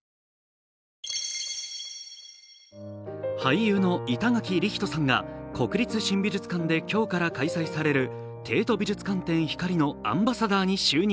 俳優の板垣季光人さんが国立新美術館で今日から開催される「テート美術館展光」のアンバサダーに就任。